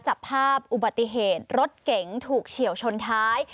จับภาพอุบัติเหตุรถเก๋งถูกเฉียวชนท้าย